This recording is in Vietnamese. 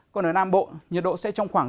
còn ở nam bộ nhiệt độ sẽ trong khoảng